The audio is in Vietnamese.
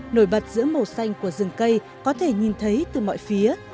nổi bật giữa màu xanh của rừng cây có thể nhìn thấy từ mọi phía